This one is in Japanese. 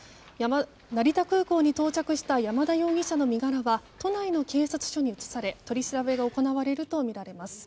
成田空港に到着した山田容疑者の身柄は都内の警察署に移され取り調べが行われるとみられています。